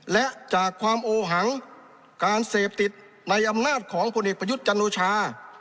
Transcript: และจากความโอหังการเสพติดในอำนาจของพลเอกประยุทธ์จันโอชา